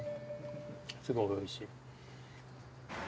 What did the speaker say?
すごくおいしい。